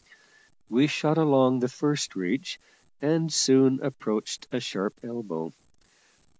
We shot along the first reach, and soon approached a sharp elbow.